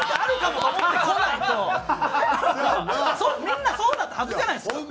みんなそうだったはずじゃないですか。